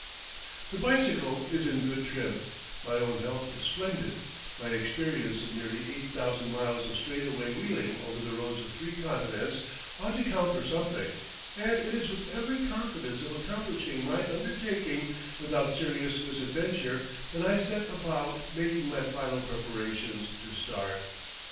The bicycle is in good trim, my own health is splendid, my experience of nearly eight thousand miles of straightaway wheeling over the roads of three continents ought to count for something, and it is with every confidence of accomplishing my undertaking without serious misadventure that I set about making my final preparations to start.